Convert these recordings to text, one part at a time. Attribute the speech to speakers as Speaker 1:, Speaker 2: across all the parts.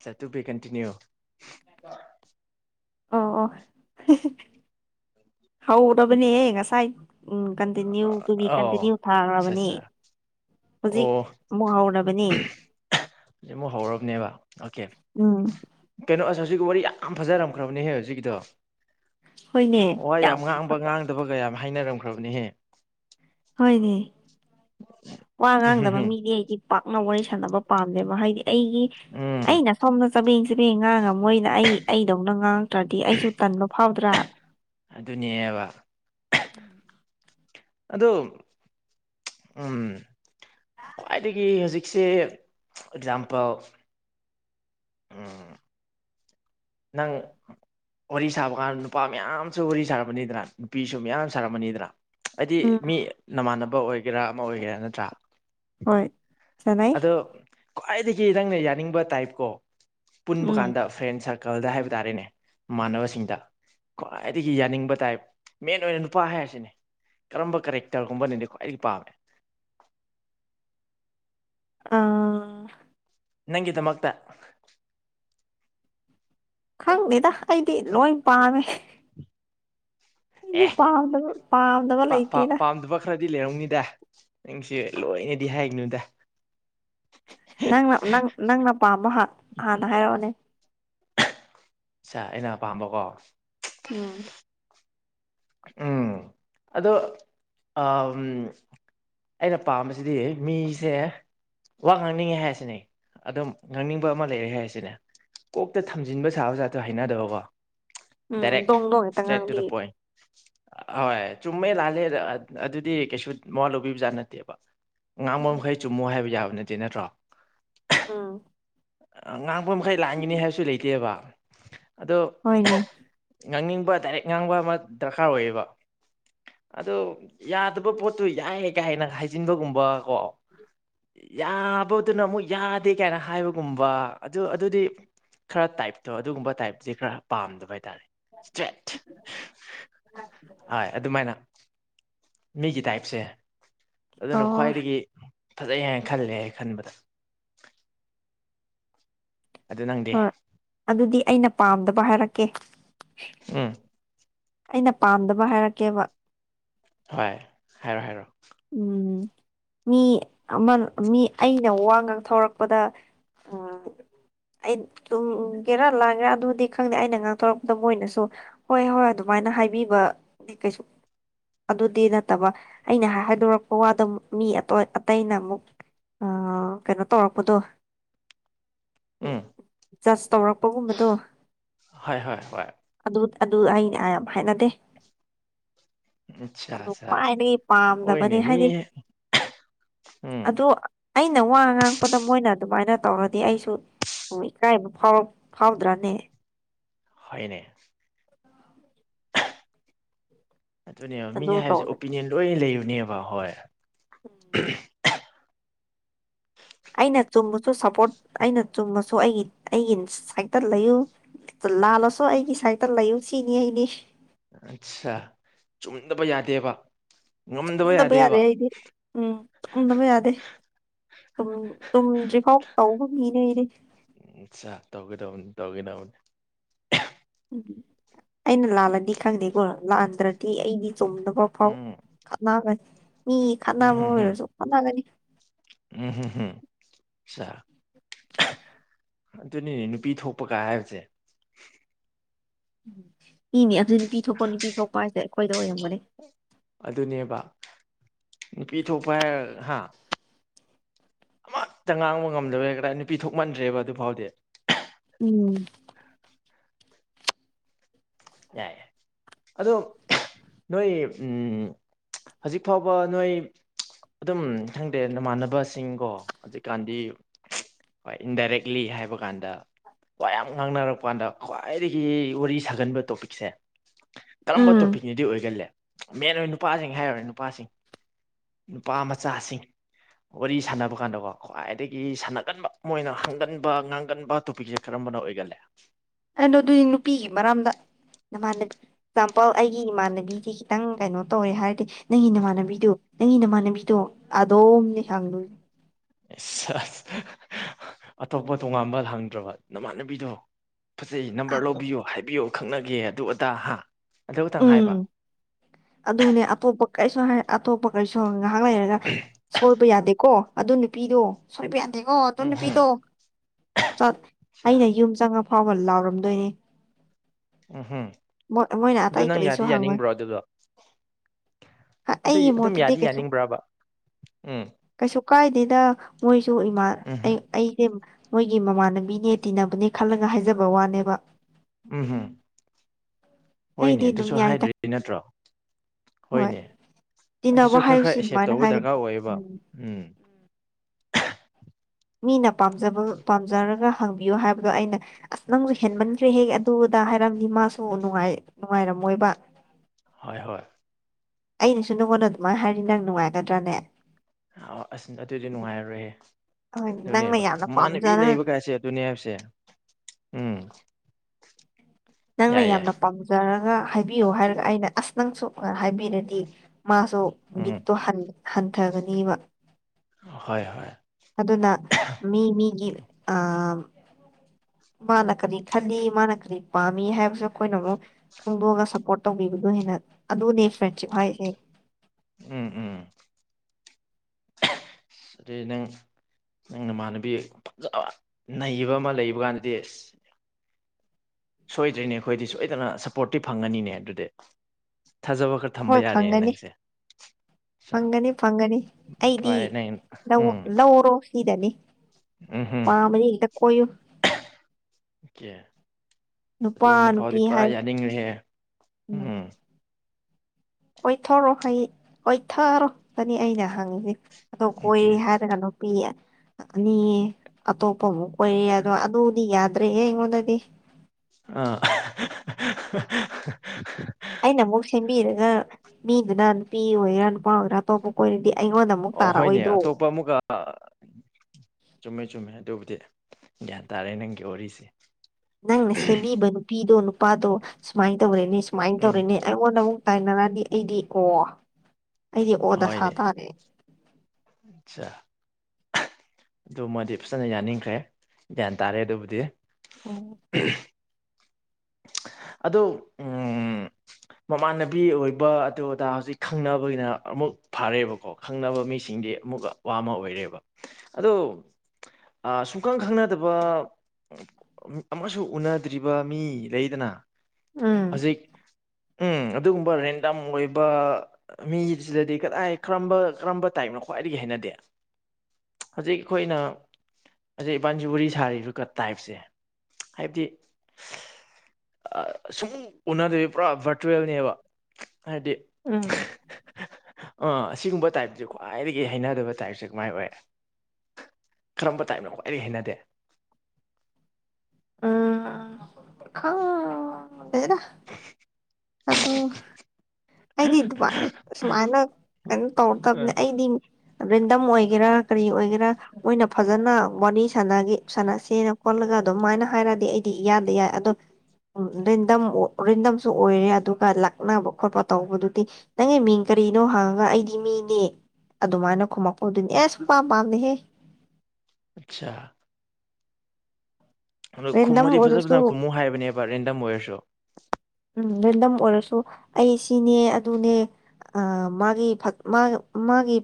Speaker 1: ꯆ ꯇꯨ ꯀꯟꯇꯅꯤꯌꯨ
Speaker 2: ꯑꯣ ꯑꯣ ꯍꯥꯎꯗꯕꯅꯤ ꯉꯁꯥꯏ ꯎꯝ ꯀꯟꯇꯤꯅ꯭ꯌꯨ ꯇꯨꯒꯤ
Speaker 1: ꯑꯧ
Speaker 2: ꯀꯟꯇꯤꯅ꯭ꯌꯨ
Speaker 1: ꯑꯠꯆꯥ
Speaker 2: ꯊꯥꯈꯕꯅꯦ
Speaker 1: ꯑꯠꯆꯥ
Speaker 2: ꯍꯧꯖꯤꯛ
Speaker 1: ꯑꯣ
Speaker 2: ꯑꯃꯨ ꯍꯥꯎꯔꯕꯅꯤ
Speaker 1: ꯁꯤ ꯑꯃꯨꯛ ꯍꯧꯔꯕꯅꯦꯕ ꯑꯣꯀꯦ ꯀꯩꯅꯣ ꯑꯁ ꯍꯧꯖꯤꯛ ꯋꯥꯔꯤ ꯌꯥꯝ ꯐꯖꯔꯝꯈ꯭ꯔꯕꯅꯦꯍꯦ ꯍꯧꯖꯤꯛꯀꯤꯗꯣ
Speaker 2: ꯍꯣꯏꯅꯦ
Speaker 1: ꯍ ꯌꯥꯝ ꯉꯥꯡꯕ
Speaker 2: ꯐꯖ
Speaker 1: ꯉꯥꯡꯗꯕꯒ ꯌꯥꯝ ꯍꯥꯏꯅꯔꯝꯈ꯭ꯔꯕꯅꯤꯍꯦ
Speaker 2: ꯍꯣꯏꯅꯦ ꯋꯥ ꯉꯥꯡꯗꯕ
Speaker 1: ꯎꯝ
Speaker 2: ꯃꯤꯗꯤ ꯑꯩꯗꯤ ꯄꯥꯛꯅ ꯋꯥꯔꯤ ꯁꯥꯟꯅꯕ ꯄꯥꯝꯗꯕ ꯍꯥꯏꯗꯤ ꯑꯩꯒꯤ
Speaker 1: ꯎꯝ
Speaker 2: ꯑꯩꯅ ꯁꯣꯝꯅ ꯆꯕꯦꯡ ꯆꯕꯦꯡ ꯉꯥꯡ ꯃꯣꯏꯅ ꯑꯩ ꯑꯩꯗꯧꯅ ꯉꯥꯡꯛꯇ꯭ꯔꯗꯤ ꯑꯩꯁꯨ ꯇꯟꯕ ꯐꯥꯎꯗ꯭ꯔꯥ
Speaker 1: ꯑꯗꯨꯅꯦꯕ
Speaker 2: ꯎꯝ
Speaker 1: ꯑꯗꯣ ꯎꯝ ꯈ꯭ꯋꯥꯏꯗꯒꯤ ꯍꯧꯖꯤꯛꯁꯦ ꯑꯦꯛꯖꯥꯝꯄꯜ ꯎꯝ ꯅꯪ ꯋꯥꯔꯤ ꯁꯥꯕ ꯀꯥꯟꯗ ꯅꯨꯄꯥ ꯃꯌꯥꯝꯁꯨ ꯋꯥꯔꯤ ꯁꯥꯔꯝꯃꯅꯤꯗ꯭ꯔ ꯅꯨꯄꯤꯁꯨ ꯃꯌꯥꯝ ꯁꯥꯔꯝꯃꯅꯤꯗ꯭ꯔꯥ ꯍꯥꯏꯗꯤ
Speaker 2: ꯎꯝ
Speaker 1: ꯃꯤ ꯅꯃꯥꯟꯅꯕ ꯑꯣꯏꯒꯦꯔꯥ ꯑꯃ ꯑꯣꯏꯒꯦꯔꯥ ꯅꯠꯇ꯭ꯔꯥ
Speaker 2: ꯍꯣꯏ ꯆꯥꯟꯅꯩ
Speaker 1: ꯑꯗꯣ ꯈ꯭ꯋꯥꯏꯗꯒꯤ ꯅꯪꯅ ꯌꯥꯅꯤꯡꯕ ꯇꯥꯏꯞꯀꯣ ꯄꯨꯟꯕ
Speaker 2: ꯎꯝ
Speaker 1: ꯀꯥꯟꯗ ꯐ꯭ꯔꯦꯟꯁꯛ ꯀꯜꯗ ꯍꯥꯏꯕ ꯇꯥꯔꯦꯅꯦ ꯃꯥꯟꯅꯕꯁꯤꯡꯗ ꯈ꯭ꯋꯥꯏꯗꯒꯤ ꯌꯥꯅꯤꯡꯕ ꯇꯥꯏꯞ ꯃꯦꯟ ꯑꯣꯏꯅ ꯅꯨꯄꯥ ꯍꯥꯏꯔꯁꯤꯅꯦ ꯀꯔꯝꯕ ꯀꯦꯔꯦꯛꯇꯔꯒꯨꯝꯕꯅꯤꯗꯤ ꯈ꯭ꯋꯥꯏꯗꯒꯤ ꯄꯥꯝꯃꯦ
Speaker 2: ꯑꯥ
Speaker 1: ꯅꯪꯗ ꯃꯛꯇ
Speaker 2: ꯈꯪꯅꯤꯦꯗ ꯑꯩꯗꯤ ꯂꯣꯏ ꯄꯥꯝꯃꯦ ꯑꯩꯗꯤ
Speaker 1: ꯑꯦ
Speaker 2: ꯄꯥꯝꯗꯕ ꯄꯥꯝꯗꯕ ꯂꯩꯇꯦꯗ
Speaker 1: ꯄꯥꯝꯗꯕ ꯈꯔꯗꯤ ꯂꯩꯔꯝꯅꯤꯗ ꯅꯪꯁ ꯂꯣꯏꯅꯗꯤ ꯍꯥꯏꯅꯨꯗ
Speaker 2: ꯅꯪꯅ ꯅ ꯅꯪꯅ ꯄꯥꯝꯕ ꯍꯥꯟꯅ ꯍꯥꯏꯔꯛꯑꯣꯅꯦ
Speaker 1: ꯑ ꯑꯩꯅ ꯄꯥꯝꯕꯀꯣ
Speaker 2: ꯑꯝ
Speaker 1: ꯎꯝ ꯑꯗꯣ ꯑ ꯑꯩꯅ ꯄꯥꯝꯕꯁꯤꯗꯤ ꯃꯤꯁꯦ ꯋꯥ ꯉꯥꯡꯅꯤꯡꯉꯦ ꯍꯥꯏꯁꯤꯅꯦ ꯑꯗꯨꯝ ꯉꯥꯡꯅꯤꯡꯕ ꯑꯃ ꯂꯩꯔꯦ ꯍꯥꯏꯁꯤꯅꯦ ꯀꯣꯛꯇ ꯊꯝꯖꯤꯟꯕ ꯁꯥꯕ ꯆꯥꯇꯣ ꯍꯩꯅꯗꯕꯀꯣ
Speaker 2: ꯎꯝ
Speaker 1: ꯗꯏꯔ
Speaker 2: ꯗꯣꯡ ꯗꯣꯡ ꯍꯦꯛꯇ
Speaker 1: ꯁꯇ꯭ꯔꯦ ꯇꯨ
Speaker 2: ꯉꯥꯡꯕꯤ
Speaker 1: ꯗ ꯄꯣꯏꯟ ꯍꯣꯏ ꯆꯨꯝꯃꯦ ꯂꯥꯜꯂꯦ ꯑꯗꯨꯗꯤ ꯀꯩꯁꯨ ꯃꯉ ꯂꯧꯕꯤꯕꯖꯥꯠ ꯅꯠꯇꯦꯕ ꯉꯥꯡꯕ ꯃꯈꯩ ꯆꯨꯝꯃꯣ ꯍꯥꯏꯕ ꯌꯥꯕ ꯅꯠꯇꯦ ꯅꯠꯇ꯭ꯔꯣ
Speaker 2: ꯑꯥ
Speaker 1: ꯑ ꯉꯥꯡꯄ ꯃꯈꯩ ꯂꯥꯛꯟꯒꯤꯅꯤ ꯍꯥꯏꯕꯁꯨ ꯂꯩꯇꯦꯕ ꯑꯗꯣ
Speaker 2: ꯍꯣꯏꯅꯦ
Speaker 1: ꯉꯥꯡꯅꯤꯡꯕ ꯗꯥꯏꯔꯦꯛ ꯉꯥꯡꯕ ꯑꯃ ꯗꯔꯀꯥꯔ ꯑꯣꯏꯌꯦꯕ ꯑꯗꯣ ꯌꯥꯗꯕ ꯄꯣꯠꯇꯨ ꯌꯥꯏꯦ ꯀꯥ ꯍꯦꯟꯅ ꯍꯥꯏꯖꯤꯟꯕꯒꯨꯝꯕ ꯀꯣ ꯌꯥꯕꯗꯨꯅ ꯑꯃꯨꯛ ꯌꯥꯗꯦ ꯀꯥꯏꯅ ꯍꯥꯏꯕ ꯨꯝꯕ ꯑꯗꯨ ꯑꯗꯨꯗꯤ ꯈꯔ ꯇꯥꯏꯞꯇꯣ ꯑꯗꯨꯒꯨꯝꯕ ꯇꯥꯏꯞꯇ ꯈꯔ ꯄꯥꯝꯗꯕ ꯍꯥꯏ ꯍꯥꯏꯔꯦ ꯏꯁꯇ꯭ꯔꯦꯠ ꯑ ꯑꯗꯨꯃꯥꯏꯅ ꯃꯤꯒꯤ ꯇꯥꯏꯞꯁꯦ ꯑꯗꯨꯅ
Speaker 2: ꯑꯣ
Speaker 1: ꯈ꯭ꯋꯥꯏꯗꯒꯤ ꯐꯖꯩ ꯍꯥꯏꯅ ꯈꯜꯂꯦ ꯈꯟꯕꯗ ꯑꯗꯨ ꯅꯪꯗꯤꯦ
Speaker 2: ꯍꯣꯏ ꯑꯗꯨꯗꯤ ꯑꯩꯅ ꯄꯥꯝꯗꯕ ꯍꯥꯏꯔꯛꯀꯦ
Speaker 1: ꯎꯝ
Speaker 2: ꯑꯩꯅ ꯄꯥꯝꯗꯕ ꯍꯥꯏꯔꯛꯀꯦꯕ
Speaker 1: ꯍꯣꯏ ꯍꯥꯏꯔꯣ ꯍꯥꯏꯔꯣ
Speaker 2: ꯎꯝ ꯃꯤ ꯑꯃ ꯃꯤ ꯑꯩꯅ ꯋꯥ ꯉꯥꯡꯊꯔꯛꯄꯗ ꯑꯩ ꯆꯨꯝꯒꯦꯔꯥ ꯂꯥꯛꯒꯦꯔꯥ ꯑꯗꯨꯕꯨꯗꯤ ꯈꯪꯗꯦ ꯑꯩꯅ ꯉꯥꯡ ꯇꯧꯔꯛꯄꯗ ꯃꯣꯏꯅꯁꯨ ꯍꯣꯏ ꯍꯣꯏ ꯑꯗꯨꯃꯥꯏꯅ ꯑꯟꯏꯟꯇꯦꯜꯂꯤꯖꯦꯕꯜ ꯂꯔꯛꯄ ꯋꯥꯗꯣ ꯃꯤ ꯑꯇꯩꯅ ꯑꯃꯨꯛ ꯑ ꯀꯩꯅꯣ ꯇꯧꯔꯛꯄꯗꯣ
Speaker 1: ꯎꯝ
Speaker 2: ꯖꯁ ꯇꯧꯔꯛꯄꯒꯨꯝꯕꯗꯣ
Speaker 1: ꯍꯣꯏ ꯍꯣꯏ ꯍꯣꯏ
Speaker 2: ꯑꯗꯨ ꯑꯗꯨ ꯑꯩꯅꯤ ꯑꯌꯥꯝ ꯍꯥꯏꯅꯗꯦ
Speaker 1: ꯑꯠꯆꯥ
Speaker 2: ꯑꯗꯨ
Speaker 1: ꯑꯠꯆꯥ
Speaker 2: ꯈ꯭ꯋꯥꯏꯗꯒꯤ ꯄꯥꯝꯗꯕ
Speaker 1: ꯍꯣꯏꯅꯦ ꯃꯤ ꯎꯝ
Speaker 2: ꯑꯗꯨ ꯑꯩꯅ ꯋꯥ ꯉꯥꯡꯄꯗ ꯃꯣꯏꯅ ꯑꯗꯨꯃꯥꯏꯅ ꯇꯧꯔꯗꯤ ꯑꯩꯁꯨ ꯍꯣꯏ ꯏꯀꯥꯏꯅ ꯐꯥꯎ ꯐꯥꯎꯗ꯭ꯔꯥꯅꯦ
Speaker 1: ꯍꯅꯦ ꯑꯗꯨꯅꯦꯕ
Speaker 2: ꯑꯗꯨ
Speaker 1: ꯃꯤꯅꯦ ꯍꯥꯏꯕꯁꯦ
Speaker 2: ꯇꯧꯗ
Speaker 1: ꯑꯣꯄꯤꯅꯤꯌꯟ ꯂꯣꯏ ꯂꯩꯔꯨꯅꯦꯕ ꯍꯣꯏ
Speaker 2: ꯑꯩꯅ ꯆꯨꯝꯕꯁꯨ ꯁꯞꯄꯣꯔꯠ ꯑꯩꯅ ꯆꯨꯝꯕꯁꯨ ꯑꯩꯒꯤ ꯑꯩꯒꯤ ꯁꯥꯏꯠꯇ ꯂꯩꯌꯨ ꯂꯥꯜꯂꯁꯨ ꯑꯩꯒꯤ ꯁꯥꯏꯠꯇ ꯂꯩꯌꯨ ꯁꯤꯅꯤ ꯑꯩꯅꯤ
Speaker 1: ꯑꯠꯆꯥ ꯆꯨꯝꯗꯕ ꯌꯥꯗꯦꯕ ꯉꯝꯗꯕ
Speaker 2: ꯆꯨꯝꯗꯕ ꯌꯥꯗꯦ
Speaker 1: ꯌꯥꯗꯦꯕ
Speaker 2: ꯑꯩꯗꯤ ꯎꯝ ꯆꯨꯝꯗꯕ ꯌꯥꯗꯦ ꯇꯨꯝ ꯗꯔꯤꯀꯥꯎ ꯇꯧꯕ ꯃꯤꯅꯦ ꯑꯩꯅꯦ
Speaker 1: ꯑꯆꯥ ꯇꯧꯒ ꯇꯧꯧꯕꯅꯤ ꯇꯧꯒꯦ ꯅꯧꯕꯅꯤ
Speaker 2: ꯑꯩꯅ ꯂꯥꯜꯂꯅꯤ ꯈꯪꯗꯦꯀꯣ ꯂꯥꯟꯗ꯭ꯔ ꯗꯤ ꯑꯩꯗꯤ ꯆꯨꯝꯗꯕ ꯐꯥꯎ
Speaker 1: ꯎꯝ
Speaker 2: ꯈꯠꯅꯒꯅꯤ ꯃꯤ
Speaker 1: ꯎꯝ
Speaker 2: ꯈꯠꯅꯕ
Speaker 1: ꯍꯝ ꯍꯝ
Speaker 2: ꯑꯣꯏꯔꯁꯨ ꯈꯥꯟꯅꯒꯅꯤ
Speaker 1: ꯎꯝ ꯍꯝ ꯍꯝ ꯑꯗꯨꯅꯤꯅꯦ ꯅꯨꯄꯤ ꯊꯣꯛꯄꯒ ꯍꯥꯏꯕꯁꯦ
Speaker 2: ꯎꯝ ꯃꯤꯅꯦ ꯑꯗꯨ ꯅꯨꯄꯤ ꯊꯣꯛꯄ ꯅꯨꯄꯤ ꯊꯣꯛꯄ ꯍꯥꯏꯁꯦ ꯑꯩꯈꯣꯏꯗ ꯑꯣꯏꯔꯝꯒꯅꯤ
Speaker 1: ꯑꯗꯨꯅꯦꯕ ꯅꯨꯄꯤ ꯊꯣꯛꯄ ꯍꯥꯏꯔꯒ ꯍꯥ ꯑꯃꯠꯇ ꯉꯥꯡꯕ ꯉꯝꯗꯕ ꯍꯥꯏꯒꯗ꯭ꯔꯥ ꯅꯨꯄꯤ ꯊꯣꯛꯃꯟꯗ꯭ꯔꯦꯕ ꯑꯗꯨ ꯐꯥꯎꯗꯤ
Speaker 2: ꯎꯝ
Speaker 1: ꯌꯥꯏ ꯌꯥꯏ ꯑꯗꯣ ꯅꯣꯏ ꯎꯝ ꯍꯧꯖꯤꯛ ꯐꯥꯎꯕ ꯅꯣꯏ ꯑꯗꯨꯝ ꯈꯪꯗꯦ ꯅꯃꯥꯟꯅꯕꯁꯤꯡꯀꯣ ꯍꯧꯖꯤꯛꯀꯥꯟꯗꯤ ꯍꯣꯏ ꯏꯟꯗꯥꯏꯔꯦꯛꯂꯤ ꯍꯥꯏꯕ ꯀꯥꯟꯗ ꯋꯥ ꯌꯥꯝ ꯉꯥꯡꯅꯔꯛꯄꯥꯟꯗ ꯈ꯭ꯋꯥꯏꯗꯒꯤ ꯋꯥꯔꯤ ꯁꯥꯒꯟꯕ ꯇꯣꯄꯤꯛꯁꯦ ꯀꯔꯝꯕ
Speaker 2: ꯎꯝ
Speaker 1: ꯇꯣꯄꯤꯛꯅꯗꯤ ꯑꯣꯏꯒꯜꯂꯦ ꯃꯦꯟ ꯑꯣꯏꯅ ꯅꯨꯄꯥꯁꯤꯡ ꯍꯥꯏꯔꫭꯅꯦ ꯅꯨꯄꯥꯁꯤꯡ ꯅꯨꯄꯥ ꯃꯆꯥꯁꯤꯡ ꯋꯥꯔꯤ ꯁꯥꯟꯅꯕ ꯀꯥꯟꯗꯀꯣ ꯈ꯭ꯋꯥꯏꯗꯒꯤ ꯁꯥꯟꯅꯒꯟꯕ ꯃꯣꯏꯅ ꯍꯪꯒꯟꯕ ꯉꯥꯡꯒꯟꯕ ꯇꯣꯄꯤꯛꯁꯦ ꯀꯔꯝ ꯕꯅ ꯑꯣꯏꯒꯜꯂꯦ
Speaker 2: ꯑꯩꯅꯣ ꯑꯗꯨꯗꯤ ꯅꯨꯄꯤꯒꯤ ꯃꯔꯝꯗ ꯅꯃꯥꯟꯅꯕꯤ ꯑꯦꯛꯖꯥꯝꯄꯜ ꯑꯩꯒꯤ ꯏꯃꯥꯟꯅꯕꯤꯁꯤ ꯈꯤꯇꯪ ꯀꯩꯅꯣ ꯇꯧꯔꯦ ꯍꯥꯏꯔꯗꯤ ꯅꯪꯒꯤ ꯅꯃꯥꯟꯅꯕꯤꯗꯣ ꯅꯪꯒꯤ ꯅꯃꯥꯟꯅꯕꯤꯗꯣ ꯑꯗꯨꯝꯅꯦ ꯍꯪꯗꯣꯏꯁꯦ
Speaker 1: ꯑꯁ ꯑꯁ ꯑꯇꯣꯞꯄ ꯇꯣꯉꯥꯟꯕ ꯍꯪꯗ꯭ꯔꯕ ꯅꯃꯥꯟꯅꯕꯤꯗꯣ ꯐꯖꯩ ꯅꯝꯕꫪ ꯂꯧꯕꯤꯌꯣ ꯍꯥꯏꯕꯤꯌꯣ ꯈꯪꯅꯒꯦ ꯑꯗꯨ ꯑꯗꯥ ꯍꯥ ꯑꯗꯨꯇꯪ ꯍꯥꯏꯕ
Speaker 2: ꯎꯝ ꯑꯗꯨꯅꯦ ꯑꯇꯣꯞꯄ ꯀꯩꯁꯨ ꯑꯇꯣꯞꯄ ꯀꯩꯁꯨ ꯉꯥꯏꯍꯥꯛ ꯂꯩꯔꯒ ꯁꯣꯏꯕ ꯌꯥꯗꯦꯀꯣ ꯑꯗꯨ ꯅꯨꯄꯤꯗꯣ ꯁꯣꯏꯕ ꯌꯥꯗꯦ ꯑꯣ ꯑꯗꯣ
Speaker 1: ꯎꯝ ꯍꯝ
Speaker 2: ꯅꯨꯄꯤꯗꯣ ꯑꯩꯅ ꯌꯨꯝ ꯆꯪꯉ ꯐꯥꯎꯕ ꯂꯥꯎꯔꯝꯗꯣꯏꯅꯤ
Speaker 1: ꯎꯝꯍꯨꯝ
Speaker 2: ꯃꯣꯏꯅ
Speaker 1: ꯑꯗꯨ
Speaker 2: ꯑꯇꯩ
Speaker 1: ꯅꯪ
Speaker 2: ꯀꯔꯤꯁꯨ
Speaker 1: ꯌꯥꯗꯤ
Speaker 2: ꯍꯪꯉꯣꯏ
Speaker 1: ꯌꯥꯅꯤꯡꯕ꯭ꯔꯣ ꯑꯗꯨꯗ ꯑꯗꯨ
Speaker 2: ꯑꯩꯒꯤ
Speaker 1: ꯑꯗꯨꯝ
Speaker 2: ꯃꯣꯠꯇꯗꯤ
Speaker 1: ꯌꯥꯗꯤ
Speaker 2: ꯀꯩꯁꯨ
Speaker 1: ꯌꯥꯅꯤꯡꯕ꯭ꯔꯕ ꯎꯝ
Speaker 2: ꯀꯩꯁꯨ ꯀꯥꯏꯗꯦꯗ ꯃꯣꯏꯁꯨ ꯏꯃꯥ
Speaker 1: ꯎꯝꯍꯨꯝ
Speaker 2: [unintelligible] ꯃꯣꯏꯒꯤ ꯃꯃꯥꯟꯅꯕꯤꯅꯦ ꯇꯤꯟꯅꯕꯅꯦ ꯈꯜꯂꯒ ꯍꯥꯏꯖꯕ ꯋꯥꯅꯦꯕ
Speaker 1: ꯎꯝ ꯍꯝ ꯍꯣꯏꯅꯦ
Speaker 2: ꯑꯩꯗꯤ ꯑꯗꯨꯝ
Speaker 1: ꯑꯗꯨꯁꯨ
Speaker 2: ꯌꯥꯏꯗ
Speaker 1: ꯍꯥꯏꯗ꯭ꯔꯤ ꯅꯠꯇ꯭ꯔꯣ
Speaker 2: ꯍꯣꯏ
Speaker 1: ꯍꯣꯏꯅꯦ
Speaker 2: ꯇꯤꯟꯅꯕ
Speaker 1: ꯑꯗꯨꯁꯨ ꯈꯔ ꯈꯔ
Speaker 2: ꯍꯥꯏꯕꯁꯤ
Speaker 1: ꯑꯦꯛꯁꯦꯞ
Speaker 2: ꯑꯗꯨꯃꯥꯏꯅ
Speaker 1: ꯇꯧꯕ
Speaker 2: ꯍꯥꯏꯒ
Speaker 1: ꯗꫪꯀꯥꫪ ꯑꯣꯏꯌꯦꯕ
Speaker 2: ꯎꯝ
Speaker 1: ꯎꯝ
Speaker 2: ꯃꯤꯅ ꯄꯥꯝꯖꯕ ꯄꯥꯝꯖꯔꯒ ꯍꯪꯕꯤꯌꯨ ꯍꯥꯏꯕꯗꯣ ꯑꯩꯅ ꯑꯁ ꯅꯪꯁꯨ ꯍꯦꯟꯃꯟꯈ꯭ꯔꯦ ꯍꯦ ꯑꯗꯨ ꯑꯗ ꯍꯥꯏꯔꯝꯗꯤ ꯃꯥꯁꯨꯅꯨꯡꯉꯥꯏ ꯅꯨꯡꯉꯥꯏꯔ ꯃꯣꯏꯕ
Speaker 1: ꯍꯣꯏ ꯍꯣꯏ
Speaker 2: ꯑꯩꯅꯁꯨ ꯅꯉꯣꯟ ꯑꯗꯨꯃꯥꯎ ꯍꯥꯏꯔꯗꯤ ꯅꯪ ꯅꯨꯡꯉꯥꯏꯒꯗ꯭ꯔꯥꯅꯦ
Speaker 1: ꯑ ꯑꯁ ꯑꯗꯨꯗꯤ ꯅꯨꯡꯉꯥꯏꯔꯣꯏꯍꯦ
Speaker 2: ꯍꯣꯏ ꯅꯪꯅ
Speaker 1: ꯑꯗꯨꯅꯦꯕ
Speaker 2: ꯌꯥꯝꯅ
Speaker 1: ꯃꯃꯅꯕꯤ
Speaker 2: ꯄꯥꯝꯖꯅ
Speaker 1: ꯂꯩꯕ ꯀꯥꯏꯁꯦ ꯑꯗꯨꯅꯦ ꯍꯥꯏꯕꯁꯦ ꯎꯝ
Speaker 2: ꯅꯪꯅ
Speaker 1: ꯌꯥꯏ ꯌꯥꯏ
Speaker 2: ꯌꯥꯝꯅ ꯄꯥꯝꯖꯔꯒ ꯍꯥꯏꯕꯤꯌꯨ ꯍꯥꯏꯔꯒ ꯑꯩꯅ ꯑꯁ ꯅꯪꯁꯨ ꯍꯥꯏꯕꯤꯔꯗꯤ ꯃꯥꯁꯨ
Speaker 1: ꯎꯝ
Speaker 2: ꯕꯤꯠꯇꯣ ꯍꯟ ꯍꯟꯊꯒꯅꯦꯕ
Speaker 1: ꯍꯣꯏ ꯍꯣꯏ
Speaker 2: ꯑꯗꯨꯅ ꯃꯤ ꯃꯤꯒꯤ
Speaker 1: [inaudible]
Speaker 2: ꯃꯥꯅ ꯀꯔꯤ ꯈꯜꯂꯤ ꯃꯥꯅ ꯀꯔꯤ ꯄꯥꯝꯃꯤ ꯍꯥꯏꯕꯁꯨ ꯑꯩꯈꯣꯏꯅ ꯑꯃꯨꯛ ꯈꯪꯗꯣꯛꯑꯒ ꯁꯞꯄꯣꯔꯠ ꯇꯧꯕꯤꯕꯗꯨꯅ ꯍꯦꯟꯅ ꯑꯗꯨꯅꯦ ꯐ꯭ꯔꯦꯟꯁꯤꯞ ꯍꯥꯏꯁꯦ
Speaker 1: ꯎꯝ ꯎꯝ [unintelligible] ꯅꯪ ꯅꯃꯥꯟꯅꯕꯤ ꯐꯖꯕ ꯅꯩꯕ ꯑꯃ ꯂꯩꯕ ꯀꯥꯟꯗꯗꯤ ꯑꯁ ꯁꯣꯏꯗ꯭ꯔꯤꯅꯦ ꯑꯩꯈꯣꯏꯗꯤ ꯁꯣꯏꯗꯅ ꯁꯞꯄꯣꯔꯠꯇꯤ ꯐꯪꯉꯅꯤꯅꯦ ꯑꯗꯨꯗꯤ ꯊꯥꯖꯕ ꯈꯔ
Speaker 2: ꯍꯣꯏ
Speaker 1: ꯊꯝꯕ ꯌꯥꯔꯦꯅꯦ
Speaker 2: ꯐꯪꯒꯅꯤ
Speaker 1: ꯅꯪꯁꯦ ꯁꯥ
Speaker 2: ꯐꯪꯒꯅꯤ ꯐꯪꯒꯅꯤ ꯑꯩꯗꯤ
Speaker 1: ꯐꯔꯦ ꯅꯪ
Speaker 2: ꯂꯧ
Speaker 1: ꯎꯝ
Speaker 2: ꯂꯧꯔꯣ ꯁꯤꯗꯅꯤ
Speaker 1: ꯎꯝꯍꯝ
Speaker 2: ꯄꯥꯝꯃꯗꯤ ꯍꯦꯇ ꯀꫭꯏꯌꫭ
Speaker 1: [unintelligible] ꯑꯗꯨꯃ
Speaker 2: ꯅꯨꯄꯤ
Speaker 1: ꯐꯥꯎꯗꯤ ꯄꯨꯔꯥ
Speaker 2: ꯍꯥꯏ
Speaker 1: ꯌꯥꯅꯤꯡꯔꯦꯍꯦ ꯎꯝ
Speaker 2: ꯀꫭꯏꯊꫭꯔꯣ ꯍꯩ ꯑꯣꯏꯊꯔꯣꯇꯅꯤ ꯑꯩꯅ ꯍꯪꯉꯤꯁꯦ ꯑꯗꯣ ꯀꯣꯏ
Speaker 1: ꯑꯣꯀꯦ
Speaker 2: [unintelligible] ꯅꯨꯄꯤ ꯑꯅꯤ ꯑꯇꯣꯞꯄ ꯑꯃꯨꯛ ꯀꫭꯏꯔꯦ ꯑꯗꯣ ꯑꯗꯨꯗꯤ ꯌꯥꯗ꯭ꯔꯦꯍꯦ ꯑꯩꯉꯣꯟꯗꯗꯤ
Speaker 1: ꯑꯥ
Speaker 2: ꯄꯤꯔꯒ ꯃꯤꯗꯨꯅ ꯅꯨꯄꯤ ꯑꯣꯏꯒꯦꯔ ꯅꯨꯄꯥ ꯑꯣꯏꯒꯦꯔ ꯑꯇꯣꯞꯄ ꯀꫭꯏꯔꯗꯤ
Speaker 1: ꯑꯣ ꯍꯣꯏꯅꯦ ꯑꯇꯣꯞꯄ ꯑꯃꯨꯛꯀ ꯆꯨꯝꯃꯦ ꯆꯨꯝꯃꯦ ꯑꯗꯨꯕꯨꯗꯤ ꯒ꯭ꯌꯥꯟ ꯇꯔꯦ ꯅꯪꯒꯤ ꯋꯥꯔꯤꯁꯤ
Speaker 2: ꯅꯪꯅ ꯁꯦꯝꯕꯤꯕ ꯅꯨꯄꯤꯗꯣ ꯅꯨꯄꯥꯗꯣ ꯁꯨꯃꯥꯏꯅ ꯇꯧꯔꯦꯅꯦ ꯁꯨꯃꯥꯏꯅ
Speaker 1: ꯎꯝ
Speaker 2: ꯇꯧꯔꯦꯅꯦ ꯑꯩꯉꯣꯟꯗ ꯑꯃꯨꯛ ꯇꯥꯏꯅꯔꯗꯤ ꯑꯩꯗꯤ ꯑꯣ ꯑꯩꯗꯤ ꯑꯣ ꯗꯁꯥ ꯇꯥꯔꯦ
Speaker 1: ꯑꯆꯥ ꯑꯗꯨꯃꯣꯏꯗꯤ ꯐꯖꯅ ꯌꯥꯅꯤꯡꯈ꯭ꯔꯦ ꯒ꯭ꯌꯥꯟ ꯇꯥꯔꯦ ꯑꯗꯨꯕꯨꯗꯤ
Speaker 2: ꯑꯣ
Speaker 1: ꯑꯗ ꯎꯝ ꯃꯃꯥꯟꯅꯕꯤ ꯑꯣꯏꯕ ꯑꯗꯨ ꯑꯇꯥ ꯍꯧꯖꯤꯛ ꯈꯪꯅꯕꯒꯤꯅ ꯑꯃꯨꯛ ꯐꯔꯦꯕꯀꯣ ꯈꯪꯅꯕ ꯃꯤꯁꯤꯡ ꯑꯃꯨꯛ ꯋꯥ ꯑꯃ ꯑꯣꯏꯔꯦꯕ ꯑꯗꯣ ꯁꯨꯡꯀꯪ ꯈꯪꯅꯗꯕ ꯑꯃꯁꯨ ꯎꯅꯗ꯭ꯔꯤꯕ ꯃꯤ ꯂꯩꯗꯅ
Speaker 2: ꯎꯝ
Speaker 1: ꯍꯧꯖꯤꯛ ꯎꯝ ꯑꯗꯨꯒꯨꯝꯕ ꯔꯦꯟꯗꯝ ꯑꯣꯏꯕ ꯃꯤꯁꯤꯗꯗꯤ ꯀꯗꯥꯏ ꯀꯔꯝꯕ ꯀꯔꯝꯕ ꯇꯥꯏꯞꯅꯣ ꯈꯣ ꯈ꯭ꯋꯥꯏꯗꯒꯤ ꯍꯩꯅꯗꯦ ꯍꯧꯖꯤꯛ ꯑꯩꯈꯣꯏꯅ ꯍꯧꯖꯤꯛ ꯏꯕꯥꯟꯁꯤ ꯋꯥꯔꯤ ꯁꯥꯔꯤꯗꯨ ꯇꯥꯏꯞꯁꯦ ꯍꯥꯏꯕꯗꯤ ꯁꯨꯝ ꯎꯅꯗꯣꯏꯕ ꯄꯨꯔꯥ ꯚꯔꯆꯨꯋꯦꯜꯅꯦꯕ ꯍꯥꯏꯗꯤ
Speaker 2: ꯎꯝ
Speaker 1: ꯑꯁꯤꯒꯨꯝꯕ ꯇꯥꯏꯞꯁꯦ ꯈ꯭ꯋꯥꯏꯗꯒꯤ ꯍꯩꯅꯗꯕ ꯇꯥꯏꯁꯦ ꯀꯃꯥꯏ ꯑꯣꯏ ꯀꯔꯝꯕ ꯇꯥꯏꯞꯅ ꯈ꯭ꯋꯥꯏꯗꯒꯤ ꯍꯩꯅꯗꯦ
Speaker 2: ꯎꯝ ꯈꯥꯎ ꯍꯔ ꯑꯗꯣ ꯑꯩꯗꯤ ꯁꯨꯃꯥꯏꯅ ꯀꯩꯅꯣ
Speaker 1: ꯑ
Speaker 2: ꯇꯧꯔꯛꯇꯕꯅꯦ ꯑꯩꯗꯤ ꯔꯦꯟꯗꯝ ꯑꯣꯏꯒꯦꯔꯥ ꯀꯔꯤ ꯑꯣꯏꯒꯦꯔꯥ ꯃꯣꯏꯅ ꯐꯖꯅ ꯋꯥꯔꯤ ꯁꯥꯟꯅ ꯁꯅꯁꯦꯅꯣ ꯈꯠꯂꯒ ꯑꯗꯨꯃꯥꯏꯅ ꯍꯥꯏꯔꯗꯤ ꯑꯩꯗꯤ ꯌꯥꯗ ꯌꯥꯏ ꯑꯗꯣ ꯎ ꯔꯦꯟꯗꯝ ꯔꯦꯟꯗꯝꯁꯨ ꯑꯣꯏꯔꯦ ꯑꯗꯨꯒ ꯂꯥꯛꯅꯕ ꯈꯣꯠꯄ ꯇꯧꯕꯗꯨꯗꯤ ꯅꯪꯒꯤ ꯃꯤꯡ ꯀꯔꯤꯅꯣ ꯍꯥꯡꯉꯒ ꯑꯩꯗꯤ ꯃꯤꯅꯦ ꯑꯗꯨꯃꯥꯏꯅ ꯈꯨꯝꯃꯛꯄꯗꯨꯅꯤ ꯑꯦ ꯁꯨꯝ ꯄꯥꯝ ꯄꯥꯝꯅꯤꯍꯦ
Speaker 1: ꯑꯆꯥ ꯑ
Speaker 2: ꯔꯦꯟꯗꯝ
Speaker 1: ꯈꯨꯝꯃꯗꯤ ꯐꯖ
Speaker 2: ꯑꯣꯏꯔꯁꯨ
Speaker 1: ꯐꯖꯅ ꯈꯨꯝꯃꯨ ꯍꯥꯏꯕꯅꯦꯕ ꯔꯦꯟꯗꯝ ꯑꯣꯏꯔꯁꯨ
Speaker 2: ꯎꯝ ꯃꯦꯟꯗꯝ ꯑꯣꯏꯔꯁꯨ ꯑꯩ ꯁꯤꯅꯦ ꯑꯗꯨꯅꯦ ꯑ ꯃꯥꯒꯤ ꯐ ꯃꯥꯒꯤ ꯃꯥꯒꯤ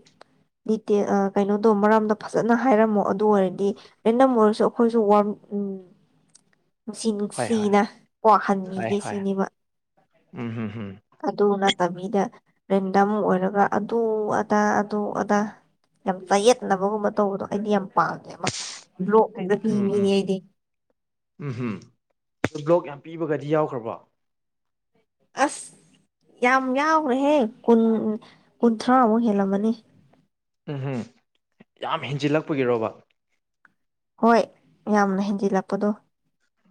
Speaker 2: ꯗꯤꯇꯦꯜ ꯀꯩꯅꯣꯗꯣ ꯃꯔꯝꯗꯣ ꯐꯖꯅ ꯍꯥꯏꯔꯝꯃꯣ ꯑꯗꯨ ꯑꯣꯏꯔꯗꯤ ꯔꯦꯟꯗꯝ ꯑꯣꯏꯔꯁꯨ ꯑꯩꯈꯣꯏꯁꯨ ꯋꯥꯔ
Speaker 1: [unintelligible]
Speaker 2: ꯅꯨꯡꯁꯤ
Speaker 1: ꯍꯣꯏ ꯍꯣꯏ
Speaker 2: ꯅꯨꯡꯁꯤꯅ
Speaker 1: ꯍꯣꯏ
Speaker 2: ꯋꯥꯍꯟꯕꯤꯒꯦ
Speaker 1: ꯍꯣꯏ
Speaker 2: ꯁꯤꯅꯦꯕ
Speaker 1: ꯎꯝ ꯍꯝ ꯍꯝ
Speaker 2: ꯑꯗꯨ ꯅ ꯇꯕꯤꯗ ꯔꯦꯟꯗꯝ ꯑꯣꯏꯔꯒ ꯑꯗꯨ ꯑꯗꯥ ꯑꯗꯨ ꯑꯗꯥ ꯌꯥꯝ ꯆꯌꯦꯠꯅꯕꯒꯨꯝꯕ ꯇꯧꯕꯗꯣ ꯑꯩꯗꯤ ꯌꯥꯝ ꯄꯥꯝꯃꯦ ꯃꯥ ꯂ꯭ꯂꯣꯒ
Speaker 1: ꯎꯝ ꯎꯝ
Speaker 2: ꯄꯗꯤ
Speaker 1: ꯎꯝ ꯍꯝ ꯕ꯭ꯂꯣꯛ ꯌꯥꯝ ꯄꯤꯕꯒꯗꯤ ꯌꯥꯎꯈ꯭ꯔꯕ
Speaker 2: ꯑꯁ ꯌꯥꯝ ꯌꯥꯎꯈ꯭ꯔꯦꯍꯦ ꯀꯨꯟ ꯀꯨꯟꯊ꯭ꯔꯥꯃꯨꯛ ꯍꯦꯜꯂꯝꯃꯅꯤ
Speaker 1: ꯎꯝꯍꯝ ꯌꯥꯝ ꯍꯦꯟꯖꯤꯜꯂꯛꯄꯒꯤꯔꯣꯕ
Speaker 2: ꯍꯣꯏ ꯌꯥꯝꯅ ꯍꯦꯟꯖꯤꯜꯂꯛꯄꯗꯣ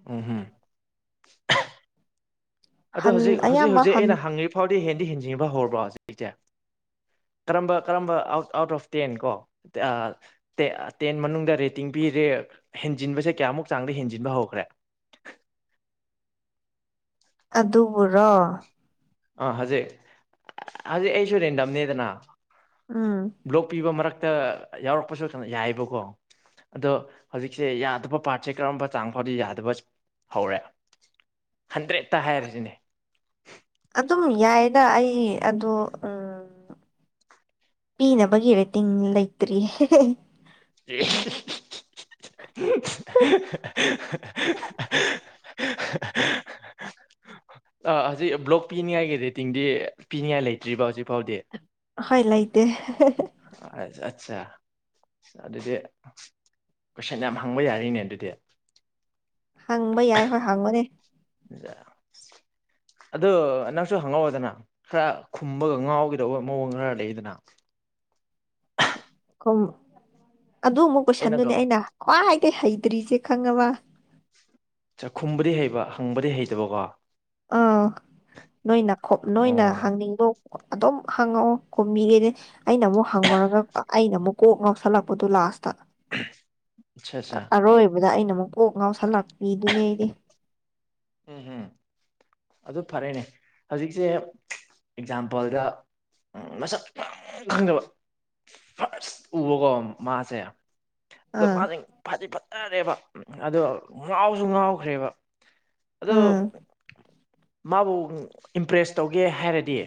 Speaker 1: ꯑꯣ ꯍꯝ ꯑꯗ
Speaker 2: ꯍꯟ
Speaker 1: ꯍꯧꯖꯤꯛ ꯍꯧꯖꯤꯛ
Speaker 2: ꯑꯌꯥꯝꯕ
Speaker 1: ꯍꯧꯖꯤꯛ
Speaker 2: ꯍꯟ
Speaker 1: ꯑꯩꯅ ꯍꯪꯉꯤ ꯐꯥꯎꯗꯤ ꯍꯦꯟꯗꯤ ꯍꯦꯟꯖꯕ ꯍꯧꯔꯕ꯭ꯔꯣ ꯍꯧꯖꯤꯛꯁꯦ ꯀꯔꯝꯕ ꯀꯔꯝꯕ ꯑꯥꯎꯠ ꯑꯣꯐ ꯇꯦꯟ ꯀꯣ ꯇꯦꯟ ꯃꯅꯨꯡꯗ ꯔꯦꯇꯤꯡ ꯄꯤ ꯄꯤꯔꯦ ꯍꯦꯟꯖꯤꯟꯕꯁꯦ ꯀꯌꯥꯃꯨꯛ ꯆꯥꯡꯗ ꯍꯦꯟꯖꯤꯟꯕ ꯍꯧꯈ꯭ꯔꯦ
Speaker 2: ꯑꯗꯨꯕꯨꯔꯣ
Speaker 1: ꯑ ꯍꯧꯖꯤꯦ ꯍꯧꯖꯤ ꯑꯩꯁꯨ ꯔꯦꯟꯗꯝꯅꯤꯗꯅ
Speaker 2: ꯎꯝ
Speaker 1: ꯕ꯭ꯂꯣꯛ ꯄꯤꯕ ꯃꯔꯛꯇ ꯌꯥꯎꯔꯛꯄꯁꯨ ꯌꯥꯏꯑꯕꯀꯣ ꯑꯗꯣ ꯍꯧꯖꯤꯛꯁꯦ ꯌꯥꯗꯕ ꯄꯥꯔꯠꯁꯦ ꯀꯔꯝꯕ ꯆꯥꯡ ꯐꯥꯎꯗꯤ ꯌꯥꯗꯕ ꯍꯧꯔꯦ ꯍꯟꯗ꯭ꯔꯦꯠꯇ ꯍꯥꯏꯔꯤꯁꯤꯅꯦ
Speaker 2: ꯑꯗꯨꯝ ꯌꯥꯏꯅ ꯑꯩ ꯑꯗꯣ ꯎꯝ ꯄ ꯅꯕꯒꯤꯔꯦ ꯇꯤꯟ ꯂꯩꯇ꯭ꯔꯤ
Speaker 1: ꯑ [unintelligible] ꯑ ꯍꯧꯖꯤꯛ ꯕ꯭ꯂꯣꯛ ꯄꯤꯅꯤꯡꯉꯥꯏꯒꯤ ꯔꯤꯇꯤꯡꯗꯤ ꯄꯤꯅꯤꯡꯉꯥꯏ ꯂꯩꯇ꯭ꯔꯤꯕ ꯍꯧꯖꯤꯛ ꯐꯥꯎꯗꯤ
Speaker 2: ꯍꯣꯏ ꯂ ꯏꯗꯦ
Speaker 1: ꯑꯠꯆꯥ ꯑꯗꯨꯗꯤ ꯀꯣꯏꯁꯟ ꯌꯥꯝ ꯍꯪꯕ ꯌꯥꯔꯤꯅꯦ ꯑꯗꯨꯗꯤ
Speaker 2: ꯍꯪꯕ ꯌꯥꯏ ꯍꯣꯏ ꯍꯪꯕꯅꯦ
Speaker 1: ꯌꯥ ꯑꯗꯣ ꯅꯪꯁꯨ ꯍꯪꯍꯧꯑꯣꯗꯅ ꯈꯔ ꯈꯨꯝꯕꯒ ꯉꯥꯎꯒꯗꯧꯕ ꯃꯑꯣꯡ ꯈꯔ ꯂꯩꯗꯅ
Speaker 2: ꯑꯗꯨ ꯑꯃꯨꯛ
Speaker 1: ꯑꯩꯅꯒ
Speaker 2: ꯀꯣꯏꯁꯟꯗꯨꯅꯦ ꯑꯩꯅ꯭ ꯍꯩꯗꯔꯤꯁꯦ ꯈꯪꯉ ꯋꯥ
Speaker 1: ꯆꯥꯛꯈꯨꯝꯕꯗꯤ ꯍꯩꯕ ꯍꯪꯕꯗꯤ ꯍꯩꯇꯕꯀꯣ
Speaker 2: ꯑꯥ ꯅꯣꯏꯅ ꯅꯣꯏꯅ ꯍꯪꯅꯤꯡꯕ ꯑꯗꯨꯝ ꯍꯪꯉꯛꯑꯣ ꯀꯨꯝꯕꯤꯈꯩꯗꯤ ꯑꯩꯅ ꯑꯃꯨꯛ ꯍꯪꯉꯨꯔꯒ ꯑꯩꯅ ꯑꯃꯨꯛ ꯀꯣꯛ ꯉꯥꯎꯁꯜꯂꯛꯄꯗꯨꯣ ꯂꯥꯁ
Speaker 1: ꯑꯆꯥ ꯑꯆꯥ
Speaker 2: ꯗ ꯑꯩꯅ ꯑꯃꯨꯛ ꯀꯣꯛ ꯉꯥꯎꯁꯜꯂꯛꯄꯤꯗꯨꯅꯦ ꯑꯩꯗꯤ
Speaker 1: ꯎꯝ ꯍꯝ ꯑꯗꯨ ꯐꯔꯦꯅꯦ ꯍꯧꯖꯤꯛꯁꯦ ꯑꯦꯛꯖꯥꯝꯄꯜꯗ ꯃꯁꯛ ꯃꯌꯥꯝ ꯈꯪꯗꯕ ꯐꯔꯁ ꯎꯕꯀꯣ ꯃꯥꯁꯦ ꯑꯗꯣ
Speaker 2: ꯑꯥ
Speaker 1: ꯃꯥꯁ ꯐꯗꯤ ꯐꯖꯔꯦꯕ ꯑꯗꯣ ꯉꯥꯎꯁꯨ ꯉꯥꯎꯈ꯭ꯔꯦꯕ ꯑꯗꯣ
Speaker 2: ꯎꯝ
Speaker 1: ꯃꯥꯕꯨ ꯏꯝꯄ꯭ꯔꯦꯁ ꯇꯧꯒꯦ ꯍꯥꯏꯔꯗꯤ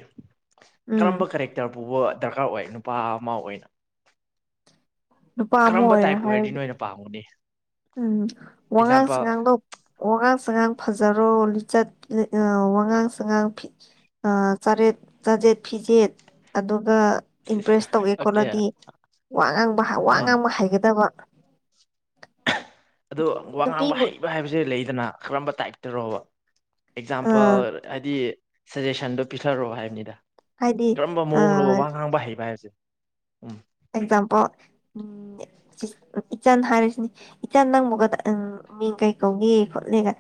Speaker 2: ꯎꯝ
Speaker 1: ꯀꯔꯝꯕ ꯀꯦꯔꯦꯛꯇꯔ ꯄꯨꯥꯎꯕ ꯗꯔꯀꯥꯔ ꯑꯣꯏ ꯅꯨꯄꯥ ꯑꯃ ꯑꯣꯏꯅ
Speaker 2: ꯅꯨꯄꯥ ꯑꯃ
Speaker 1: ꯀꯔꯝꯕ
Speaker 2: ꯑꯣꯏꯔꯦ
Speaker 1: ꯇꯥꯏꯞ ꯑꯣꯏꯔꯗꯤ
Speaker 2: ꯍꯥꯏꯔꯗꯤ
Speaker 1: ꯅꯣꯏꯅ ꯄꯥꯝꯒꯅꯤ
Speaker 2: ꯎꯝ ꯋꯥꯉꯥꯡ
Speaker 1: ꯑꯦꯛꯖꯥꯝꯄꯜ
Speaker 2: ꯁꯉꯥꯡꯗ ꯋꯥꯉꯥꯡ ꯁꯉꯥꯡ ꯐꯖꯔꯣ ꯂꯤꯆꯠ ꯋꯥꯉꯥꯡ ꯁꯉꯥꯡ ꯐꯤ ꯆꯔꯦꯠ ꯆꯥꯖꯦꯠ ꯐꯤ ꯐꯤꯖꯦꯠ ꯑꯗꯨꯒ ꯏꯝꯄ꯭ꯔꯦꯁ ꯇꯧꯒꯦ
Speaker 1: ꯑꯣꯀꯦ
Speaker 2: ꯈꯣꯠꯂꯗꯤ ꯋꯥ ꯉꯥꯡꯕ ꯋꯥ
Speaker 1: ꯎꯝ
Speaker 2: ꯉꯥꯡꯕ ꯍꯥꯏꯒꯗꯕ
Speaker 1: ꯑꯗꯣ ꯋꯥ ꯉꯥꯡꯕ
Speaker 2: ꯅꯨꯄꯤꯕꯨ
Speaker 1: ꯍꯩꯕ ꯍꯥꯏꯕꯁꯦ ꯂꯩꯗꯅ ꯀꯔꯝꯕ ꯇꯥꯏꯞꯇꯔꯣꯕ
Speaker 2: ꯑ
Speaker 1: ꯑꯦꯛꯖꯥꯝꯄꯜ ꯍꯥꯏꯗꯤ ꯁꯖꯦꯁꯟꯗꯣ ꯄꯤꯊꯔꯑꯣ ꯍꯥꯏꯕꯅꯤꯗ
Speaker 2: ꯍꯥꯏꯗꯤ
Speaker 1: ꯀꯔꯝꯕ
Speaker 2: ꯑ
Speaker 1: ꯃꯑꯣꯡꯅꯣ ꯋꯥ ꯉꯥꯡꯕ ꯍꯩꯕ ꯍꯥꯏꯕꯁꯦ ꯎꯝ
Speaker 2: ꯑꯦꯛꯖꯥꯝꯄꯜ ꯎꯝ ꯏꯆꯟ ꯍꯥꯏꯔꯤꯁꯤꯅꯤ ꯏꯆꯟ ꯅꯪꯕꯒꯗ ꯎ ꯃꯤ ꯀꯩ ꯀꯧꯒꯦ ꯈꯣꯠꯂꯒꯪ